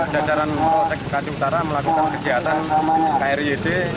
jajaran polsek bekasi utara melakukan kegiatan kryd